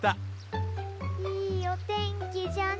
いいおてんきじゃね